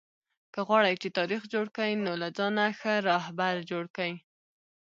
که غواړى، چي تاریخ جوړ کى؛ نو له ځانه ښه راهبر جوړ کئ!